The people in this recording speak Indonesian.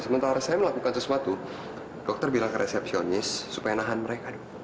sementara saya melakukan sesuatu dokter bilang ke resepsionis supaya nahan mereka